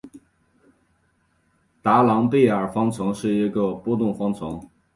达朗贝尔方程是一个的波动方程。